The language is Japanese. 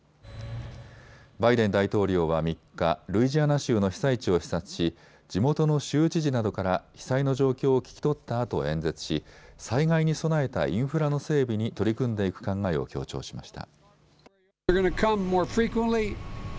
バイデン大統領は３日、ルイジアナ州の被災地を視察し地元の州知事などから被災の状況を聞き取ったあと演説し、災害に備えたインフラの整備に取り組んでいく考えを強調しました。